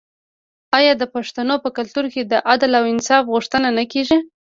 آیا د پښتنو په کلتور کې د عدل او انصاف غوښتنه نه کیږي؟